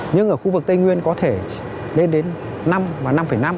nhưng ở khu vực tây nguyên có thể lên đến năm và năm năm